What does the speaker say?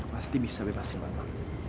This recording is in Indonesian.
pasti bisa bebasin mama